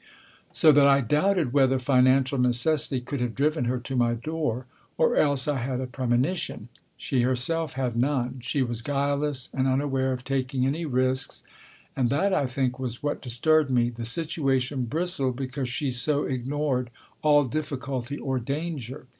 So that I doubted whether financial necessity could have driven her to my door. Or else I had a premonition. She herself had none. She was guileless and unaware of taking any risks. And that, I think, was what disturbed me. The situation bristled because she so ignored all difficulty or danger.